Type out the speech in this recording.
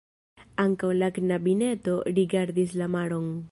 Ankaŭ la knabineto rigardis la maron.